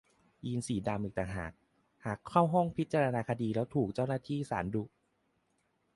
ยีนส์สีดำอีกต่างหากเข้าห้องพิจารณาคดีแล้วถูกเจ้าหน้าที่ศาลดุ